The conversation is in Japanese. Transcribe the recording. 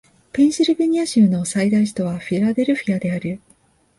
ペンシルベニア州の最大都市はフィラデルフィアである